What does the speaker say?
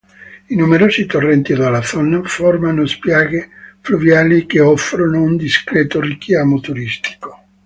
I numerosi torrenti della zona formano spiagge fluviali che offrono un discreto richiamo turistico.